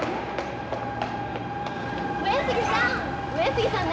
上杉さん！